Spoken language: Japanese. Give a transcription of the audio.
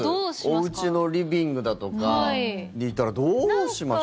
おうちのリビングだとかにいたらどうしましょう。